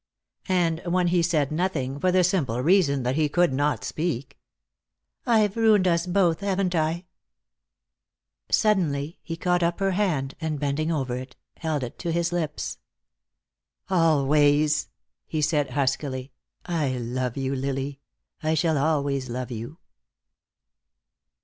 And when he said nothing, for the simple reason that he could not speak: "I've ruined us both, haven't I?" Suddenly he caught up her hand and, bending over it, held it to his lips. "Always," he said, huskily, "I love you, Lily. I shall always love you."